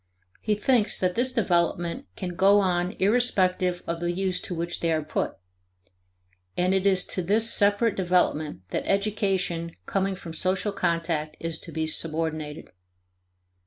He thinks that this development can go on irrespective of the use to which they are put. And it is to this separate development that education coming from social contact is to be subordinated.